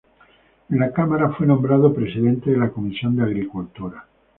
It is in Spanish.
En la cámara fue nombrado presidente de la comisión de agricultura.